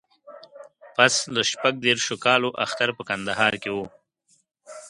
پسله شپږ دیرشو کالو اختر په کندهار کې و.